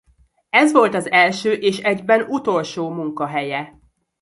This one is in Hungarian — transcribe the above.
Ez volt első és egyben utolsó munkahelye.